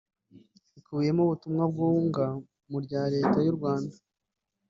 Ikubiyemo ubutumwa bwunga mu rya Leta y’u Rwanda